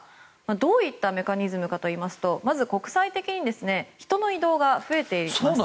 どういったメカニズムかといいますとまず、国際的に人の移動が増えています。